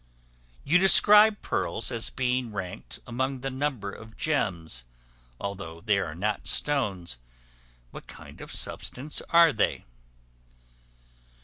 You describe Pearls as being ranked among the number of Gems, although they are not Stones; what kind of substance are they?